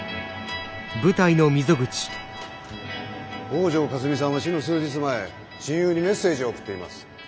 北條かすみさんは死の数日前親友にメッセージを送っています。